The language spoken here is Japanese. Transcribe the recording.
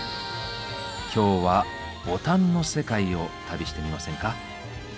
今日はボタンの世界を旅してみませんか？